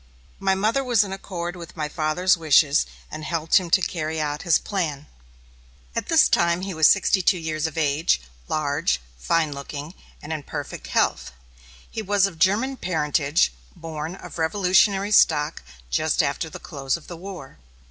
My mother was in accord with my father's wishes, and helped him to carry out his plan. At this time he was sixty two years of age, large, fine looking, and in perfect health. He was of German parentage, born of Revolutionary stock just after the close of the war.